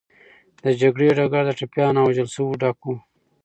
د جګړې ډګر د ټپيانو او وژل سوو ډک و.